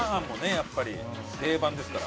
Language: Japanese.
やっぱり定番ですから。